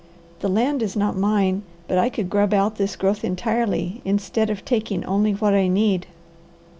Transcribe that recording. The land is not mine, but I could grub out this growth entirely, instead of taking only what I need."